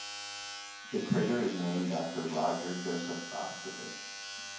The crater is named after Roger Joseph Boscovich.